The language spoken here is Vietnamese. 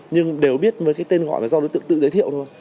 nhưng đều biết với cái tên gọi là do đối tượng tự giới thiệu thôi